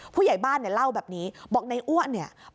ผู้ใหญ่บ้านเนี่ยเล่าแบบนี้บอกในอ้วนเนี่ย